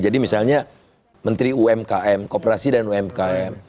jadi misalnya menteri umkm koperasi dan umkm